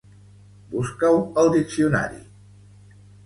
Busca-ho al diccionari